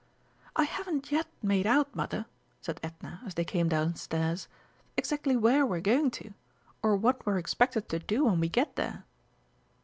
"I haven't yet made out, Mother," said Edna, as they came downstairs, "exactly where we're going to or what we're expected to do when we get there."